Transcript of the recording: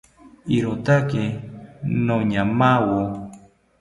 ¡Irotake noñamawo!